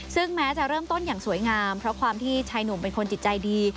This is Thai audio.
ซึ่งแม้จะเริ่มต้นอย่างสวยงามเพราะความที่ชายหนุ่มเป็นคนจิตใจดี